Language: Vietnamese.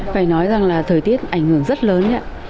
phải nói rằng là thời tiết ảnh hưởng rất lớn nhé